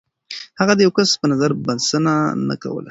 هغه د يو کس پر نظر بسنه نه کوله.